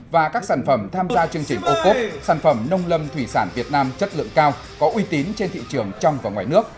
và các sản phẩm tham gia chương trình ô cốp sản phẩm nông lâm thủy sản việt nam chất lượng cao có uy tín trên thị trường trong và ngoài nước